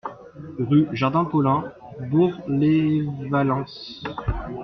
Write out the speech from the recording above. Rue Jardin Paulin, Bourg-lès-Valence